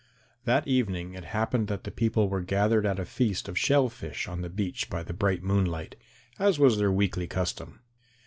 That evening it happened that the people were gathered at a feast of shell fish on the beach by the bright moonlight, as was their weekly custom.